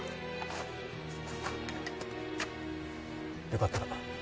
よかったら。